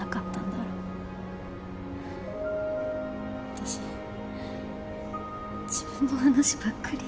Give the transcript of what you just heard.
私自分の話ばっかり。